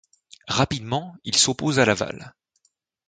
Rapidement, il s'oppose à Laval.